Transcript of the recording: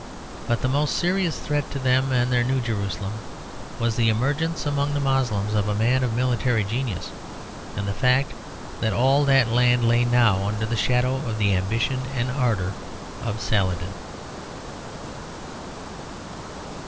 But the most serious threat to them and their New Jerusalem was the emergence among the Moslems of a man of military genius, and the fact that all that land lay now under the shadow of the ambition and ardour of Saladin.